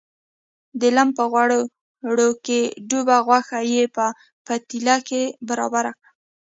د لم په غوړو کې ډوبه غوښه یې په پتیله کې برابره کړه.